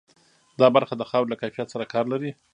دا برخه د خاورې له کیفیت سره کار لري.